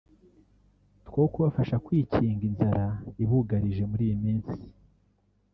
two kubafasha kwikinga inzara ibugarije muri iyi minsi